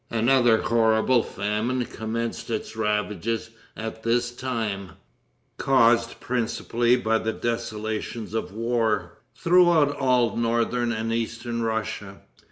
Another horrible famine commenced its ravages at this time, caused principally by the desolations of war, throughout all northern and eastern Russia.